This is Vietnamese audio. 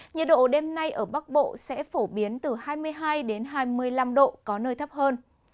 nhiệt độ đêm nay ở bắc bộ sẽ phổ biến từ hai mươi hai hai mươi năm độ có nơi thấp hơn